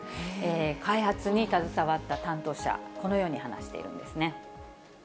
開発に携わった担当者、このように話しているんですね。